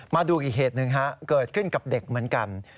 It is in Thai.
มาดูอีกเหตุหนึ่งเกิดขึ้นกับเด็กเหมือนกัน